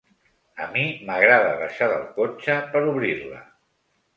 A mi m'agrada baixar del cotxe per obrir-la.